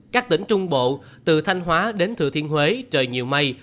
các tỉnh trung bộ từ thanh hóa đến thừa thiên huế trời nhiều mây